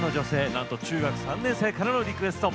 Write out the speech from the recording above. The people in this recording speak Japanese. なんと中学３年生からのリクエスト